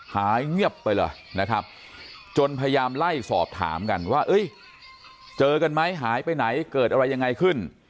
หายเงียบไปเลยนะครับจนพยายามไล่สอบถามกันว่าเจอกันไหมหายไปไหนเกิดอะไรยังไงขึ้น